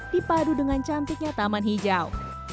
dipadu dengan cantiknya taman hijau